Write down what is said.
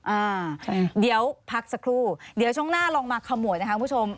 อ่าเดี๋ยวพักสักครู่เดี๋ยวช่วงหน้าลองมาขโมยนะคะคุณผู้ชม